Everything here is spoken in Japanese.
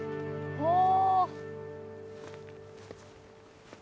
お。